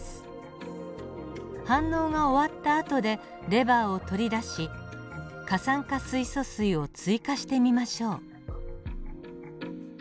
反応が終わったあとでレバーを取り出し過酸化水素水を追加してみましょう。